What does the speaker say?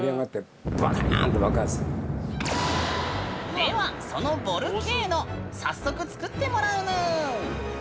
ではそのボルケーノ早速作ってもらうぬん。